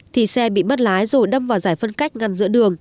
thì xe bị mất lái rồi đâm vào giải phân cách ngăn giữa đường